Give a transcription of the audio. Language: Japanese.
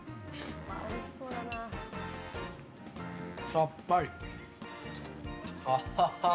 さっぱり。